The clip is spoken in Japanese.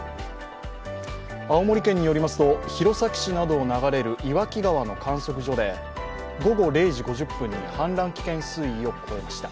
青森県によりますと、弘前市などを流れる岩木川の観測所で午後０時５０分に氾濫危険水位を超えました。